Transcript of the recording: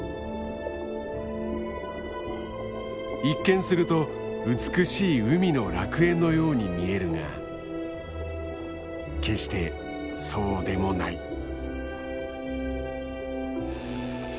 一見すると美しい海の楽園のように見えるが決してそうでもない。